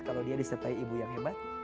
kalau dia disertai ibu yang hebat